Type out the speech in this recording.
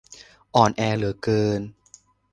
อ่อนแอเหลือเกิน